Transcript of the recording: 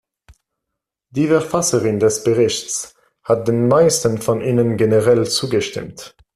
Die Verfasserin des Berichts hat den meisten von ihnen generell zugestimmt.